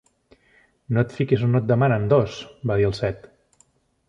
'No et fiquis on no et demanen, Dos!', va dir el Set.